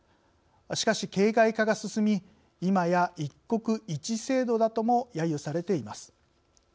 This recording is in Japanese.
しかし、形骸化が進みいまや「一国一制度」だともやゆされています。